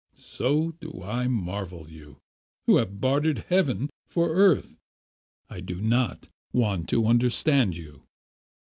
So do I marvel at you, who have bartered heaven for earth. I do not want to understand you.